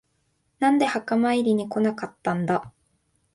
なんで墓参りに来なかったんだ。